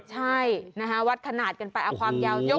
ใช่วัดขนาดกันไปเอาความยาว๓